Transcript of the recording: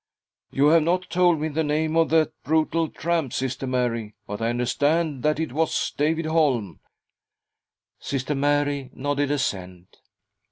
" You have not told me the name of that brutal tramp, Sister Mary— but I understand that it was David Holm! " Sister Mary nodded assent.